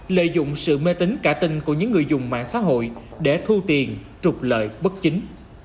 lợi dụng sự mê tính cả tinh của những người dùng mạng xã hội để thu tiền trục lợi bất chính